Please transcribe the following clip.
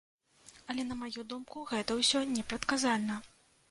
Але, на маю думку, гэта ўсё непрадказальна.